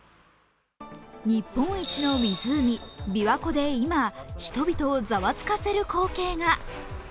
日本一の湖・びわ湖で今、人々をざわつかせる光景が。